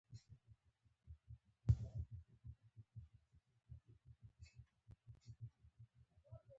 یو زیات شمېر باکتریاوې په وچېدلو سره له منځه ځي.